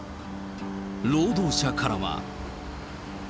労働者からは。